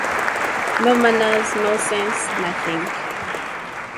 No manners, no sense, nothing.